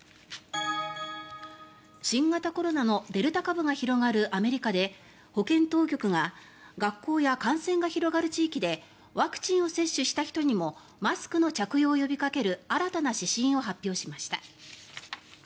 新型コロナのデルタ株が広がるアメリカで保健当局が学校や感染が広がる地域でワクチンを接種した人にもマスクの着用を呼びかける新たな指針を発表しました。